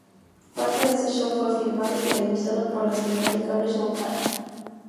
Parte de este "show" fue filmado y televisado por la señal de cable Showtime.